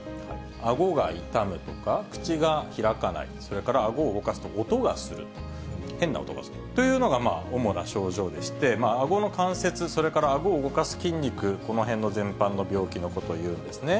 あごが痛むとか、口が開かない、それからあごを動かすと音がする、変な音がするというのが主な症状でして、あごの関節、それからあごを動かす筋肉、この辺の全般の病気のことをいうんですね。